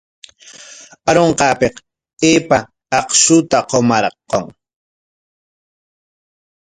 Arunqaapik aypa akshuta qumarqun.